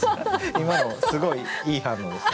今のすごいいい反応ですね。